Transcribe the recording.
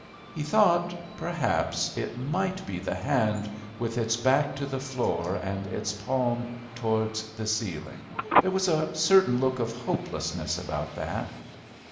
He thought, perhaps, it might be the hand with its back to the floor and its palm towards the ceiling; there was a certain look of hopelessness about that.